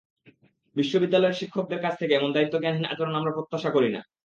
বিশ্ববিদ্যালয়ের শিক্ষকদের কাছ থেকে এমন দায়িত্বজ্ঞানহীন আচরণ আমরা প্রত্যাশা করি না।